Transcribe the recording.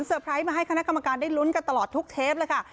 ไพรส์มาให้คณะกรรมการได้ลุ้นกันตลอดทุกเทปเลยค่ะ